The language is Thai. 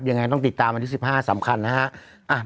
ยังไงต้องติดตามวันที่๑๕สำคัญนะฮะ